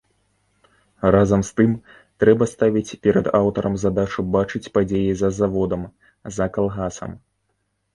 Разам з тым, трэба ставіць перад аўтарам задачу бачыць падзеі за заводам, за калгасам.